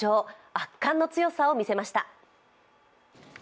圧巻の強さを見せました。